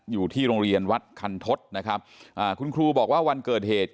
อยู่ที่โรงเรียนวัดคันทศนะครับอ่าคุณครูบอกว่าวันเกิดเหตุ